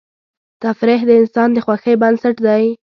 تفریح د انسان د خوښۍ بنسټ دی.